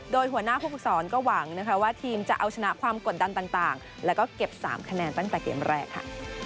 โดยหัวหน้าผู้ฝึกศรก็หวังนะคะว่าทีมจะเอาชนะความกดดันต่างแล้วก็เก็บ๓คะแนนตั้งแต่เกมแรกค่ะ